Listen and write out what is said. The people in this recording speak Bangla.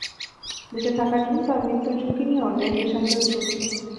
বেঁচে থাকার জন্য তারা মৃত্যুর ঝুঁকি নিয়েও দেশ থেকে দেশান্তরে ছুটছে।